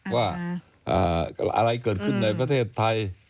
ว่าอะไรเกิดขึ้นในประเทศไทย